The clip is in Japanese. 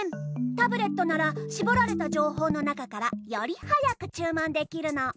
タブレットならしぼられたじょうほうのなかからよりはやくちゅうもんできるの。